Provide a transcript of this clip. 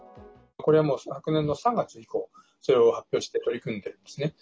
これはもう昨年の３月以降それを発表して取り組んでいるんですね。